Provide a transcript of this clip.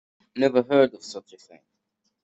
Never heard of such a thing.